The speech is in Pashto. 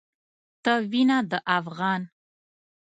ته وينه د افغان